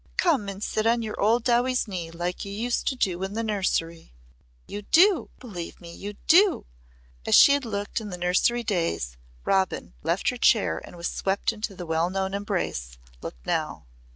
"Come and sit on your old Dowie's knee like you used to do in the nursery." "You do believe me you do!" As she had looked in the nursery days the Robin who left her chair and was swept into the well known embrace looked now.